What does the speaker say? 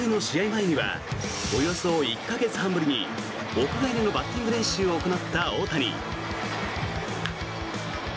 前にはおよそ１か月半ぶりに屋外でのバッティング練習を行った大谷。